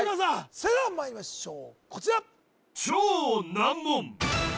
それではまいりましょうこちら